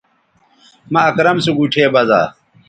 مہ اکرم سو گوٹھے بزا